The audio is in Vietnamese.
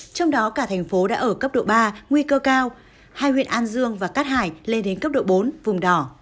trong đó cả thành phố đã ở cấp độ ba nguy cơ cao hai huyện an dương và cát hải lên đến cấp độ bốn vùng đỏ